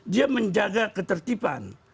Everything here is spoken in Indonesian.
dia menjaga ketertiban